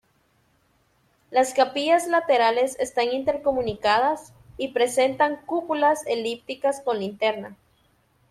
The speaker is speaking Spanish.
Las capillas laterales están intercomunicadas, y presentan cúpulas elípticas con linterna.